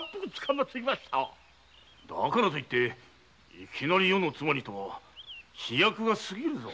だからといっていきなり余の妻にとは飛躍が過ぎるぞ。